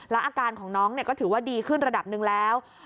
อาการของน้องก็ถือว่าดีขึ้นระดับหนึ่งแล้ว